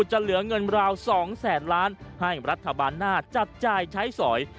จะเหลือเงินราว๒แสนล้านให้รัฐบาลหน้าจับจ่ายใช้สอย